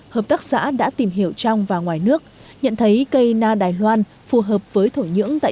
hợp tác xã đã tìm hiểu trong và ngoài nước nhận thấy cây na đài loan phù hợp với thổ nhưỡng tại